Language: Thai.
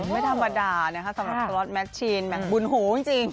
ไม่ธรรมดาสำหรับคลอดแม็กชีนแบบบุญหูจริง